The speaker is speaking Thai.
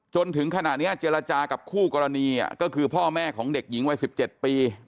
จนถึงขณะนี้เจรจากับคู่กรณีก็คือพ่อแม่ของเด็กหญิงวัย๑๗ปี